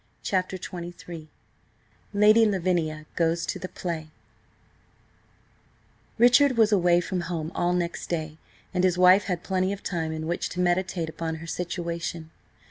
CHAPTER XXIII LADY LAVINIA GOES TO THE PLAY RICHARD was away from home all next day, and his wife had plenty of time in which to meditate upon her situation.